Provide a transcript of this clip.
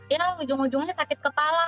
ya ujung ujungnya sakit kepala